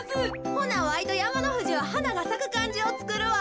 ほなわいとやまのふじははながさくかんじをつくるわ。